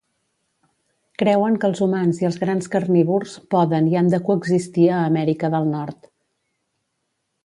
Creuen que els humans i els grans carnívors poden i han de coexistir a Amèrica del Nord.